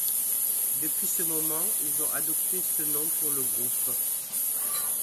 Depuis ce moment, ils ont adopté ce nom pour le groupe.